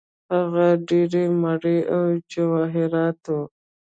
هلته ډیر مړي او جواهرات وو.